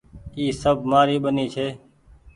اي سب مآري ٻيني ڇي ۔